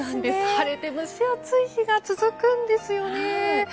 晴れて蒸し暑い日が続くんですよね。